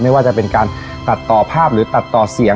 ไม่ว่าจะเป็นการตัดต่อภาพหรือตัดต่อเสียง